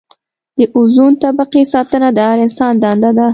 د اوزون طبقې ساتنه د هر انسان دنده ده.